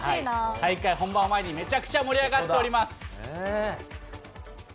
大会本番を前に、めちゃくちゃ盛り上がっております。